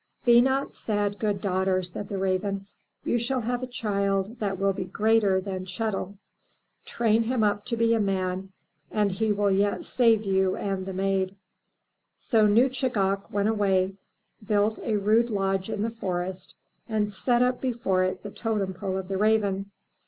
"Be not sad, good daughter," said the Raven. "You shall have a child that will be greater than Chet'l. Train him up to be a man and he will yet save you and the Maid." So Nuschagak went away, built a rude lodge in the forest and set up before it the totem pole of the raven.